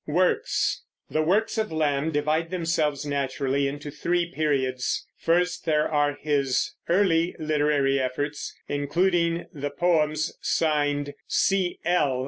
WORKS. The works of Lamb divide themselves naturally into three periods. First, there are his early literary efforts, including the poems signed "C. L."